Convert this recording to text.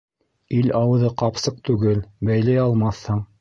Ил ауыҙы ҡапсыҡ түгел, бәйләй алмаҫһың.